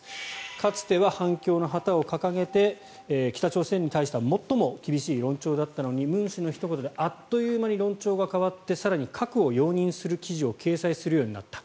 かつては反共の旗を掲げて北朝鮮に対しては最も厳しい論調だったのにムン氏のひと言であっという間に論調が変わって更に核を容認する記事を掲載するようになった。